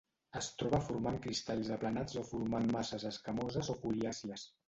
Es troba formant cristalls aplanats o formant masses escamoses o foliàcies.